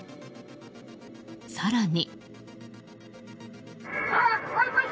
更に。